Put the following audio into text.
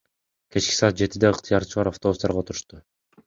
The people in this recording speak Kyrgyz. Кечки саат жетиде ыктыярчылар автобустарга отурушту.